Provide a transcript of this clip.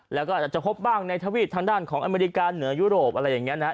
แล้วก็อาจจะพบบ้างในทวีปทางด้านของอเมริกาเหนือยุโรปอะไรอย่างนี้นะฮะ